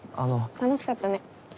楽しかったね。